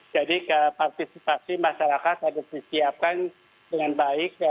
jadi partisipasi masyarakat harus disiapkan dengan baik